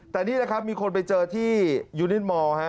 แต่นี่แหละครับมีคนไปเจอที่ยูนินมอร์